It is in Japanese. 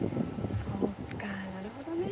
そっかなるほどね。